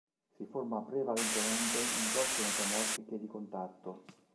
Si forma prevalentemente in rocce metamorfiche di contatto.